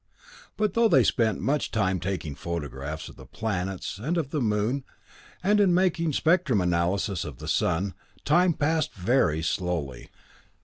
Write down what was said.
But though they spent much time taking photographs of the planets and of the moon, and in making spectrum analyses of the sun, time passed very slowly.